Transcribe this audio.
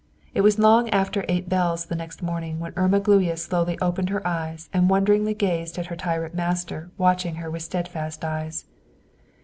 It was long after eight bells the next morning when Irma Gluyas slowly opened her eyes and wonderingly gazed at her tyrant master watching her with steadfast eyes.